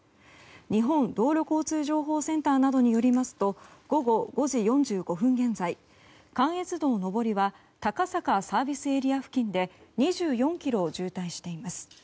日本道路交通情報センターなどによりますと午後５時４５分現在関越道上りは高坂ＳＡ付近で２４ｋｍ渋滞しています。